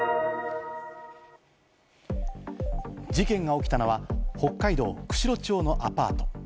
事件が起きたのは、北海道釧路町のアパート。